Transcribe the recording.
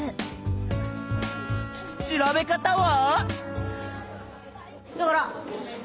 調べ方は？